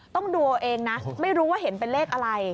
ต้องดูเอาเองนะไม่รู้ว่าเห็นเป็นเลขอะไร